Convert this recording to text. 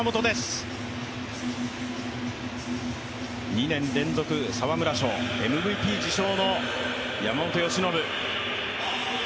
２年連続、沢村賞、ＭＶＰ受賞の山本由伸。